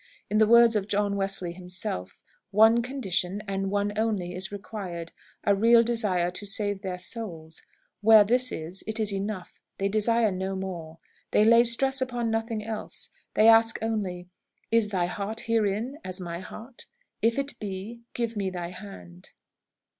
In the words of John Wesley himself, 'one condition, and one only, is required a real desire to save their souls. Where this is, it is enough; they desire no more. They lay stress upon nothing else. They ask only, Is thy heart herein as my heart? If it be, give me thy hand.'"